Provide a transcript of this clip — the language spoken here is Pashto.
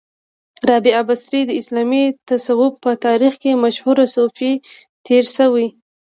را بعه بصري د اسلامې تصوف په تاریخ کې مشهوره صوفۍ تیره شوی